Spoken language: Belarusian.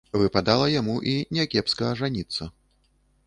Выпадала яму і не кепска ажаніцца.